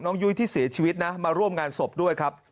ยุ้ยที่เสียชีวิตนะมาร่วมงานศพด้วยครับ